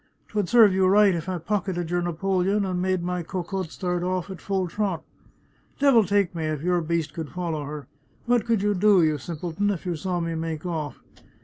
'Twould serve you right if I pocketed your napoleon and made my Cocotte start oflf at full trot. Devil take me if your beast could follow her! What could you do, you simpleton, if you saw me make off?